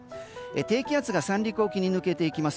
低気圧が三陸沖に抜けていきます。